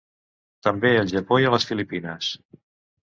També al Japó i a les Filipines.